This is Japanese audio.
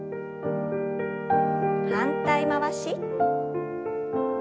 反対回し。